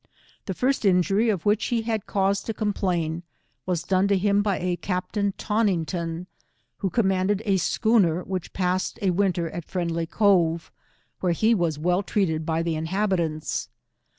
The first injury of 112 wWcli he had cause to complain, was done him by A Captain Tawnington, who commanded a schooner which passed a winter at Friendly Cove, where he was well treated by the inhabitants.